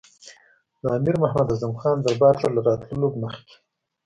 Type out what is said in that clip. د امیر محمد اعظم خان دربار ته له راتللو مخکې.